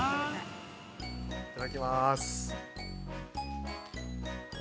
◆いただきまーす。